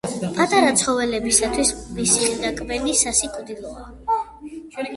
პატარა ცხოველებისათვის მისი ნაკბენი სასიკვდილოა.